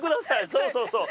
そうそうそう。